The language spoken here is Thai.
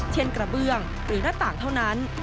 เช่นกระเบื้องหรือระต่างเท่านั้น